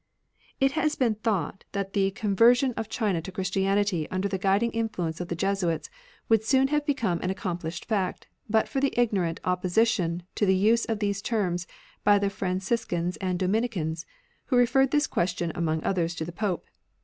It has been thought that the coll ie THE ANCIENT EAITH version of China to Christianity under the guiding influence of the Jesuits would soon have become an accompUshed fact, but for the ignorant opposi tion to the use of these terms by the Franciscans and Dominicans, who referred this question, among others, to the Pope.